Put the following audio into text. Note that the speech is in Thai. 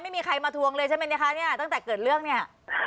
ไม่มีใครมาทวงเลยใช่ไหมคะเนี่ยตั้งแต่เกิดเรื่องเนี่ย